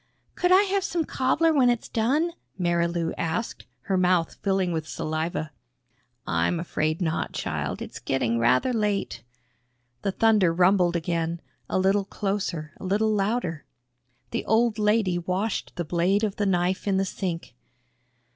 "Could I have some cobbler when it's done?" Marilou asked, her mouth filling with saliva. "I'm afraid not, child. It's getting rather late." The thunder rumbled again a little closer, a little louder. The old lady washed the blade of the knife in the sink.